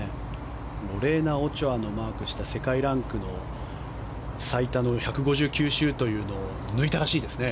ロレーナ・オチョアのマークした世界ランクの最多の１５９週というのを抜いたらしいですね